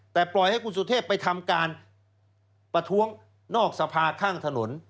แต่ปล่อยให้คุณสุเทพไปทำการประท้วงนอกสภาข้างถนน